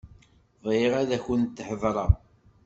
Bɣiɣ ad akent-heḍṛeɣ.